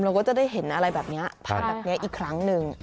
เราก็จะได้เห็นอะไรแบบนี้ผ่านแบบนี้อีกครั้งหนึ่ง